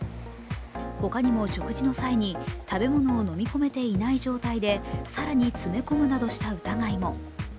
ほかにも食事の際に食べ物を飲み込めていない状態で更に詰め込むなどした疑いも。